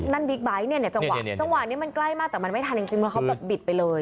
บิ๊กไบท์เนี่ยจังหวะจังหวะนี้มันใกล้มากแต่มันไม่ทันจริงแล้วเขาแบบบิดไปเลย